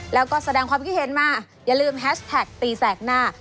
แล้วก็แสดงความคิดเห็นมาอย่าลืมแฮชแท็กตีแสกหน้า